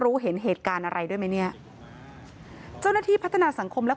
เห็นเหตุการณ์อะไรด้วยไหมเนี่ยเจ้าหน้าที่พัฒนาสังคมและ